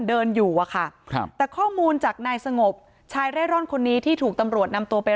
เดินอยู่อะค่ะครับแต่ข้อมูลจากนายสงบชายเร่ร่อนคนนี้ที่ถูกตำรวจนำตัวไป